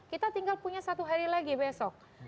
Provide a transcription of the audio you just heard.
kita tinggal punya satu hari lagi besok